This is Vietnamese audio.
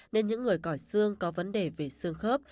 nên những người cỏi xương có vấn đề về xương khớp